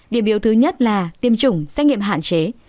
điểm yếu thứ nhất là tiêm chủng xét nghiệm hạn chế